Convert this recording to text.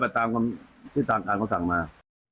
มันก็ต้องไปตามที่ต่างการเขาสั่งมา